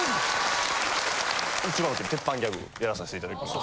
一番ウケる鉄板ギャグやらさせていただきます。